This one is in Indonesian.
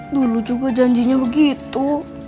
dulu juga janjinya begitu